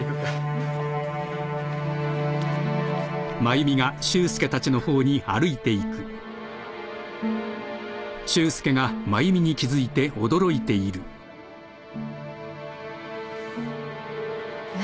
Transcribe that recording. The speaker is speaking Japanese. うん。何？